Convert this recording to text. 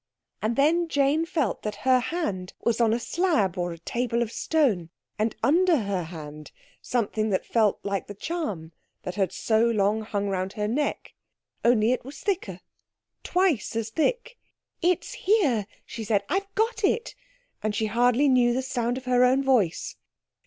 And then Jane felt that her hand was on a slab or table of stone, and, under her hand, something that felt like the charm that had so long hung round her neck, only it was thicker. Twice as thick. "It's here!" she said, "I've got it!" And she hardly knew the sound of her own voice.